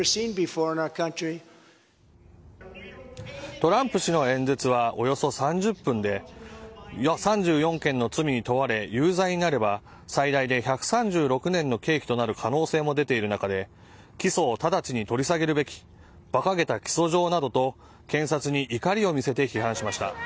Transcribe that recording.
トランプ氏の演説はおよそ３０分で３４件の罪に問われ有罪になれば最大で１３６年の刑期となる可能性も出ている中で起訴を直ちに取り下げるべき馬鹿げた起訴状などと検察に怒りを見せて批判しました。